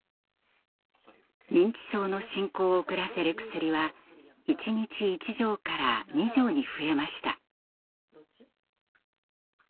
認知症の進行を遅らせる薬は一日１錠から２錠に増えました。